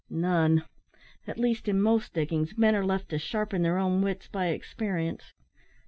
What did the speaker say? "None; at least in most diggings men are left to sharpen their own wits by experience.